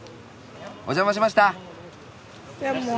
お邪魔しました。